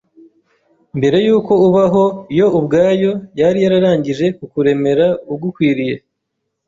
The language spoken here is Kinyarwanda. mbere yuko ubaho yo ubwayo yari yararangije kukuremera ugukwiriye,